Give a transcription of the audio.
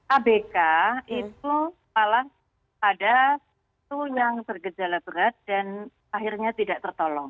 abk itu malah ada yang bergejala berat dan akhirnya tidak tertolong